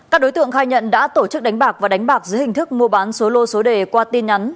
các đối tượng khai nhận đã tổ chức đánh bạc và đánh bạc dưới hình thức mua bán số lô số đề qua tin nhắn